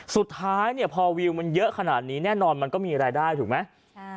สุดท้ายเนี่ยพอวิวมันเยอะขนาดนี้แน่นอนมันก็มีรายได้ถูกไหม